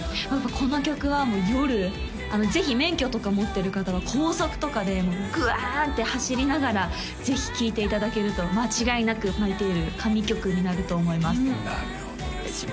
この曲は夜ぜひ免許とか持ってる方は高速とかでグワーッて走りながらぜひ聴いていただけると間違いなく「ＭｙＴａｌｅ」神曲になると思いますなるほどですね